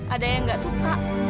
ada yang gak suka